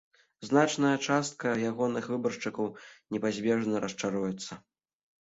Значная частка ягоных выбаршчыкаў непазбежна расчаруецца.